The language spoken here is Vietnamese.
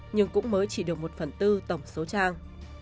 nhưng cũng mới chỉ được một phần tư tổng số trang